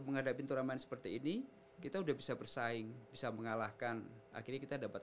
menghadapi turnamen seperti ini kita udah bisa bersaing bisa mengalahkan akhirnya kita dapat